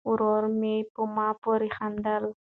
ورور مې په ما پورې خندل.